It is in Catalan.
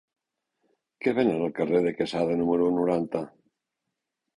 Què venen al carrer de Quesada número noranta?